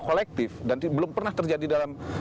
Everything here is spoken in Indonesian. kolektif dan belum pernah terjadi dalam